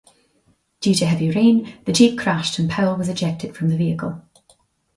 Due to heavy rain, the jeep crashed and Powell was ejected from the vehicle.